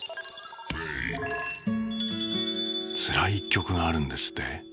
つらい１曲があるんですって。